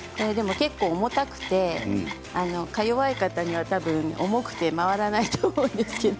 結構、重たくてか弱い方には、たぶん重くて回らないと思うんですけど。